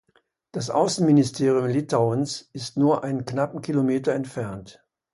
Das Außenministerium Litauens ist nur einen knappen Kilometer entfernt.